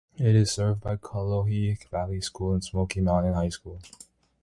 It is served by Cullowhee Valley School and Smoky Mountain High School.